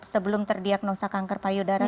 sebelum terdiagnosa kanker payudara